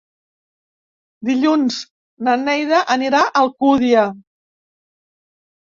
Dilluns na Neida anirà a Alcúdia.